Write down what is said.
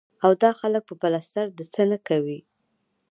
او دا خلک به پلستر د څۀ نه کوي ـ